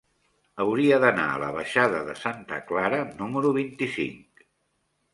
Hauria d'anar a la baixada de Santa Clara número vint-i-cinc.